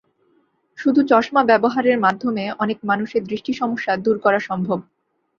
শুধু চশমা ব্যবহারের মাধ্যমে অনেক মানুষের দৃষ্টি সমস্যা দূর করা সম্ভব।